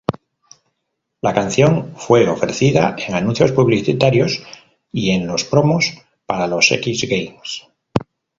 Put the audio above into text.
La canción fue ofrecida en anuncios publicitarios y en los promos para los X-Games.